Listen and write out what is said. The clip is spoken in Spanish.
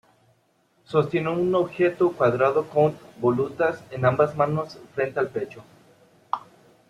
Sostiene un objeto cuadrado con volutas en ambas manos frente al pecho.